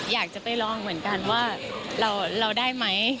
อยากจะไปลองเหมือนกันว่าเราได้ไหม